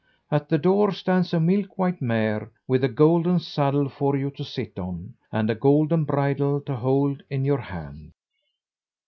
At the door stands a milk white mare, with a golden saddle for you to sit on, and a golden bridle to hold in your hand."